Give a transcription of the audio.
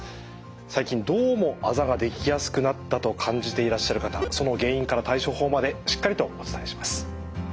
最近どうもあざができやすくなったと感じていらっしゃる方その原因から対処法までしっかりとお伝えします。